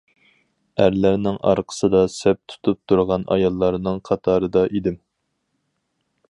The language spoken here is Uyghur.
ئەرلەرنىڭ ئارقىسىدا سەپ تۇتۇپ تۇرغان ئاياللارنىڭ قاتارىدا ئىدىم.